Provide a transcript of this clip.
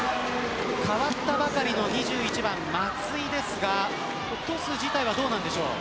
代わったばかりの２１番松井ですがトス自体はどうですか。